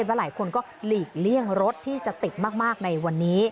หลายคนก็หลีกเลี่ยงรถที่จะติดมากในวันนี้